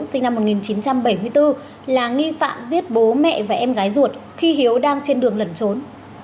sinh năm một nghìn chín trăm bảy mươi bốn là nghi phạm giết bố mẹ và em gái ruột khi hiếu đang trên đường lẩn trốn